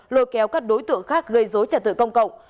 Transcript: lôi kéo các đối tượng khác gây dối trật tự công cộng